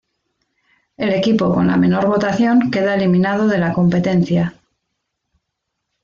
El equipo con la menor votación queda eliminado de la competencia.